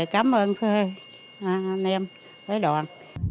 cảm ơn anh em phái đoàn